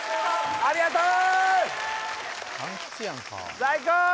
ありがとう！